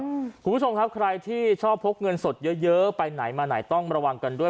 คุณผู้ชมครับใครที่ชอบพกเงินสดเยอะเยอะไปไหนมาไหนต้องระวังกันด้วย